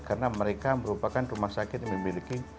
karena mereka merupakan rumah sakit yang memiliki